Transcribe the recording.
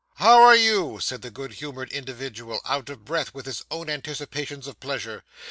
'How are you?' said the good humoured individual, out of breath with his own anticipations of pleasure.